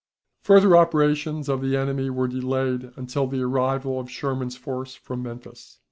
Further operations of the enemy were delayed until the arrival of Sherman's force from Memphis.